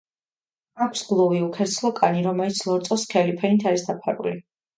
აქვს გლუვი, უქერცლო კანი, რომელიც ლორწოს სქელი ფენით არის დაფარული.